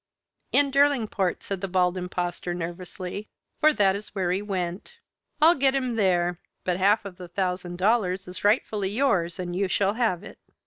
"In Derlingport," said the Bald Impostor nervously, "for that is where he went. I'll get him there. But half of the thousand dollars is rightfully yours, and you shall have it."